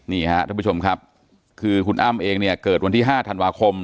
นี่ฮะท่านผู้ชมครับคือคุณอ้ำเองเนี่ยเกิดวันที่๕ธันวาคม